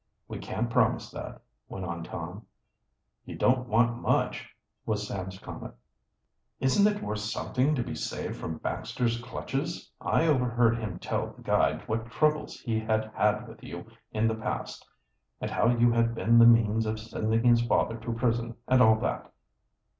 "We can't promise that," went on Tom. "You don't want much," was Sam's comment. "Isn't it worth something to be saved from Baxter's clutches? I overheard him tell the guide what troubles he had had with you in the past, and how you had been the means of sending his father to prison, and all that.